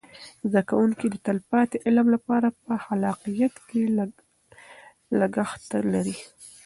زده کوونکي د تلپاتې علم لپاره په خلاقیت کې لګښته لري.